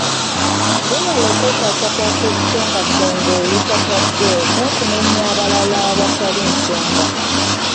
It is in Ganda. Weewale okwekwasakwasa obusongasonga olutatadde n'okunenya abalala awatali nsonga.